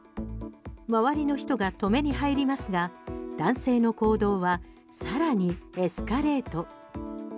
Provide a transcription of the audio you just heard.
周りの人が止めに入りますが男性の行動は更にエスカレート。